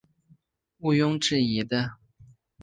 无庸置疑的